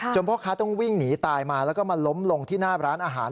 พ่อค้าต้องวิ่งหนีตายมาแล้วก็มาล้มลงที่หน้าร้านอาหาร